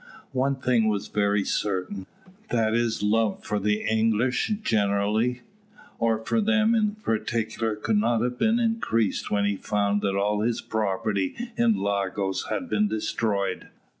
One thing was very certain, that his love for the English generally, or for them in particular, could not have been increased when he found that all his property in Lagos had been destroyed.